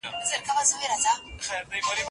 خلګو د خپلو سياسي حقونو د ترلاسه کولو غوښتنه کوله.